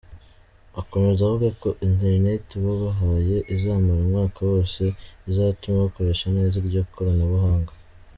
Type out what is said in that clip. Akomeza avuga ko interineti babahaye izamara umwaka wose izatuma bakoresha neza iryo koranabuhanga.